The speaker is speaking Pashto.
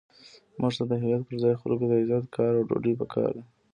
موږ ته د هویت پر ځای خلکو ته عزت، کار، او ډوډۍ پکار ده.